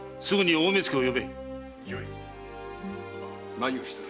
何をしておる？